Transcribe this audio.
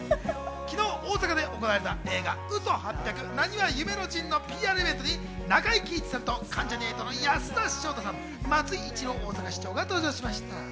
昨日、大阪で行われた映画『嘘八百なにわ夢の陣』のＰＲイベントに中井貴一さんと関ジャニ∞の安田章大さん、松井一郎大阪市長が登場しました。